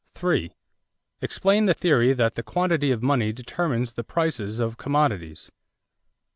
3. Explain the theory that the quantity of money determines the prices of commodities.